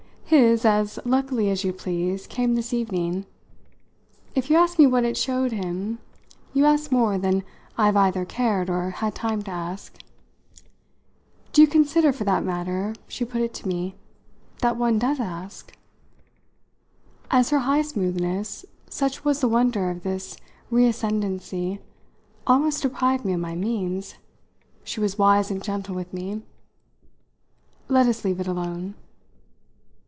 His, as luckily as you please, came this evening. If you ask me what it showed him you ask more than I've either cared or had time to ask. Do you consider, for that matter" she put it to me "that one does ask?" As her high smoothness such was the wonder of this reascendancy almost deprived me of my means, she was wise and gentle with me. "Let us leave it alone."